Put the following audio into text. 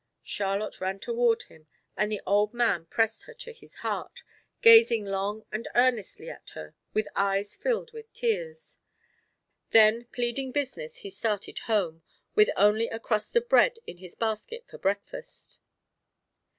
Charlotte ran toward him and the old man pressed her to his heart, gazing long and earnestly at her, with eyes filled with tears. Then pleading business he started home, with only a crust of bread in his basket for breakfast.